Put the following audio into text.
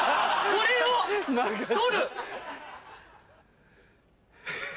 これを取る！